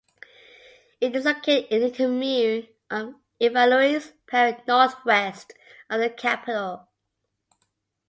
It is located in the commune of Levallois-Perret northwest of the capital.